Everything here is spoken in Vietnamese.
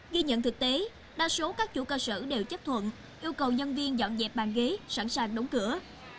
ghi nhận thực tế đa số các chủ cơ sở đều chấp thuận yêu cầu nhân viên dọn dẹp bàn ghế sẵn sàng đóng cửa